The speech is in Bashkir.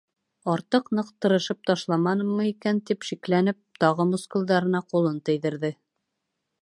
Артыҡ ныҡ тырышып ташламаныммы икән тип шикләнеп, тағы мускулдарына ҡулын тейҙерҙе.